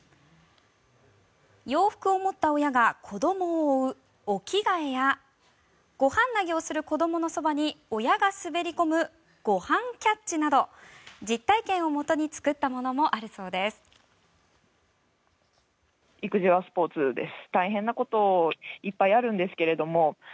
洋服を持った親が子どもを追う「おきがえ」や「ごはん投げ」をする子どものそばに親が滑り込む「ごはんキャッチ」など実体験をもとに作ったものもあるそうです。